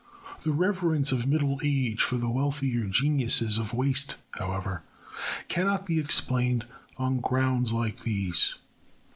The reverence of middle age for the wealthier geniuses of waste, however, cannot be explained on grounds like these.